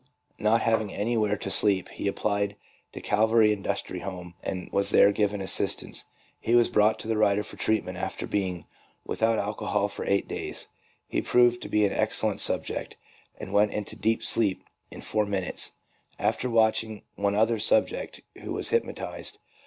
Not having anywhere to sleep, he applied to Calvary Industrial Home, and w r as there given assistance. He was brought to the writer for treatment after being without alcohol for eight days. He proved to be an excellent subject, and went into a deep sleep in four minutes, after watching one other subject who was hypnotized.